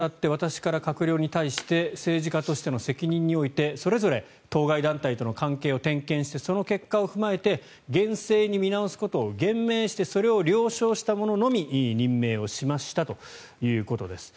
今回の組閣に当たって私から閣僚に対して政治家としての責任においてそれぞれ当該団体との関係を点検してその結果を踏まえて厳正に見直すことを厳命してそれを了承した者のみ任命をしましたということです。